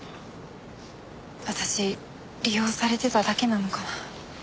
私利用されてただけなのかな？